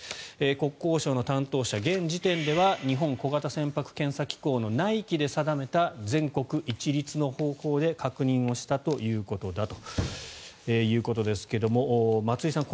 国交省の担当者、現時点では日本小型船舶検査機構の内規で定めた全国一律の方法で確認をしたということですが松井さん